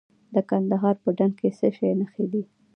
د کندهار په ډنډ کې د څه شي نښې دي؟